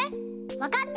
わかった！